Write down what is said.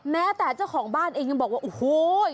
แม้แต่เจ้าของบ้านเองยังบอกว่าโอ้โห